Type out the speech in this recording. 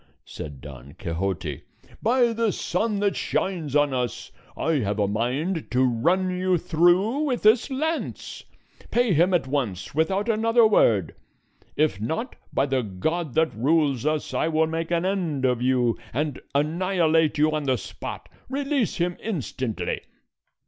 said Don Quixote. "By the sun that shines on us, I have a mind to run you through with this lance. Pay him at once, without another word; if not, by the God that rules us, I will make an end of you, and annihilate you on the spot; release him instantly."